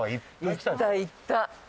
行った行った。